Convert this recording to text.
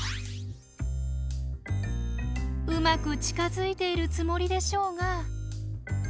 うまく近づいているつもりでしょうが。